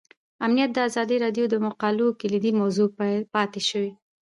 امنیت د ازادي راډیو د مقالو کلیدي موضوع پاتې شوی.